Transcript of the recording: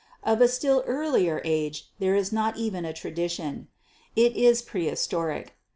Of a still earlier age there is not even a tradition ; it is pre historic.